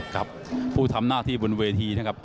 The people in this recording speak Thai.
กับผู้ทำหน้าที่บนเวทีนะครับ